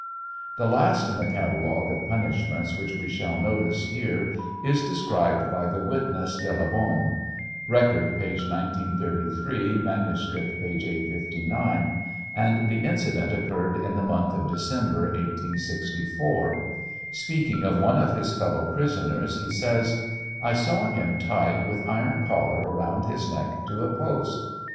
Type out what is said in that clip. The last in the catalogue of punishments which we shall notice here is described by the witness De La Baume, (Record, p. 1933 ; manuscript, p. 859,) and the incident occurred in the month of December, 1864. Speaking of one of his fel low prisoners, he says : I saw him tied with an iron collar around his neck to a post.